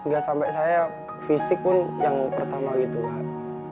gak sampai saya fisik pun yang pertama gitu kan